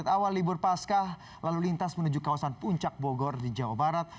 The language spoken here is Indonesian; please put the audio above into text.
pada awal libur pascah lalu lintas menuju kawasan puncak bogor di jawa barat